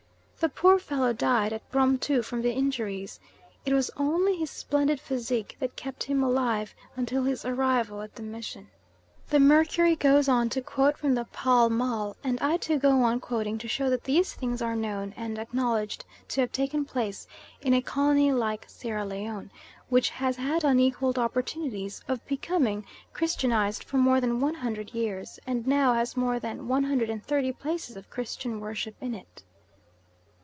The poor fellow died at Bromtu from the injuries. It was only his splendid physique that kept him alive until his arrival at the Mission." The Mercury goes on to quote from the Pall Mall, and I too go on quoting to show that these things are known and acknowledged to have taken place in a colony like Sierra Leone, which has had unequalled opportunities of becoming christianised for more than one hundred years, and now has more than one hundred and thirty places of Christian worship in it.